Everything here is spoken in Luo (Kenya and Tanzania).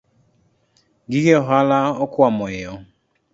Gige ohala okwamo eyo